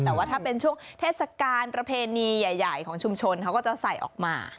แต่ว่าถ้าเป็นช่วงเทศกาลประเพณีใหญ่ของชุมชนเขาก็จะใส่ออกมา